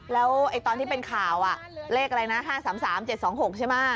แล้วตอนที่เป็นข่าวเลขอะไรนะ๕๓๓๗๒๖ใช่ไหม